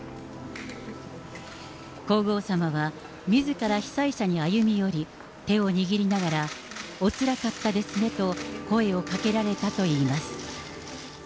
皇后さまはみずから被災者に歩み寄り、手を握りながら、おつらかったですねと、声をかけられたといいます。